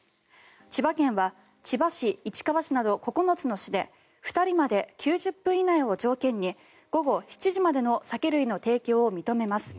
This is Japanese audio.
千葉県は千葉市、市川市など９つの市で２人まで９０分以内を条件に午後７時までの酒類の提供を認めます。